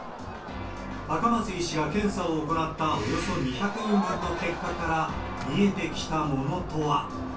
赤松医師が検査を行ったおよそ２００人分の結果から見えてきたものとは。